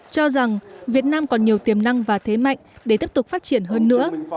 cho rằng việt nam còn nhiều tiềm năng và thế mạnh để tiếp tục phát triển hơn nữa